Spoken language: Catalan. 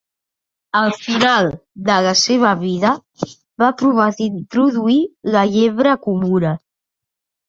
Al final de la seva vida, va provar d'introduir la llebre comuna.